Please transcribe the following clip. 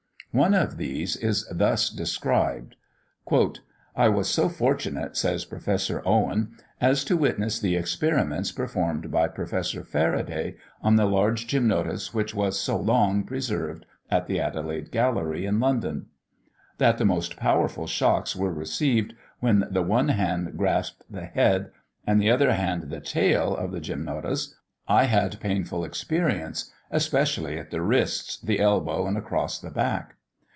One of these is thus described: "I was so fortunate (says Professor Owen) as to witness the experiments performed by Professor Faraday on the large gymnotus which was so long preserved at the Adelaide Gallery, in London. That the most powerful shocks were received when the one hand grasped the head, and the other hand the tail of the gymnotus, I had painful experience, especially at the wrists, the elbow, and across the back.